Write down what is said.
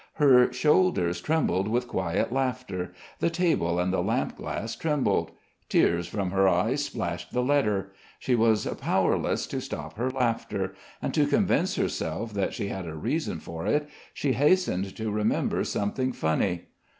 Her shoulders trembled with quiet laughter. The table and the lampglass trembled. Tears from her eyes splashed the letter. She was powerless to stop her laughter; and to convince herself that she had a reason for it, she hastened to remember something funny.